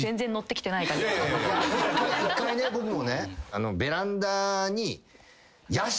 １回ね僕もね。